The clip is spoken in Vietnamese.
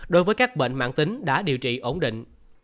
đối với các bệnh mạng tính đã điều trị ổn định